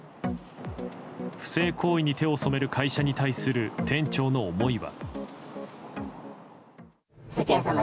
不正行為に手を染める会社に対する店長の思いは。